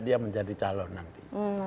dia menjadi calon nanti